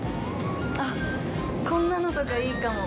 あっ、こんなのとかいいかも。